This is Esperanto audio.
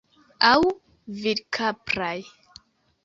Aŭ virkapraj.